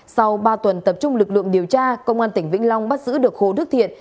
sau ba tuần tập trung lực lượng điều tra công an tỉnh vĩnh long bắt giữ được hồ đức thiện